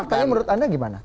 faktanya menurut anda gimana